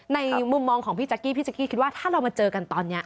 ในมุมมองของพี่แจ๊กกี้พี่แจ๊กกี้คิดว่าถ้าเรามาเจอกันตอนนี้